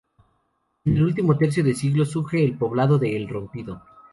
En el último de tercio de siglo surge el poblado de El Rompido.